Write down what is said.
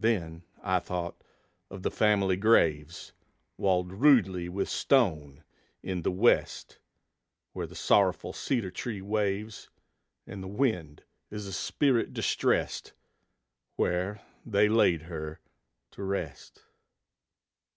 Then I thought of the family graves, Walled rudely with stone, in the West, Where the sorrowful cedar tree waves, And the wind is a spirit distressed, Where they laid her to rest.